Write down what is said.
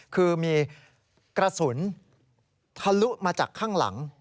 คือมีกระสุนทะลุมาจากข้างหลัง